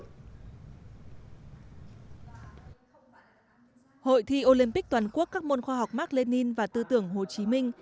hội thi olympic toàn quốc các môn khoa học mark lenin và tư tưởng hồ chí minh